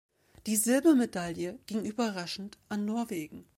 Die Silbermedaille ging überraschend an Norwegen.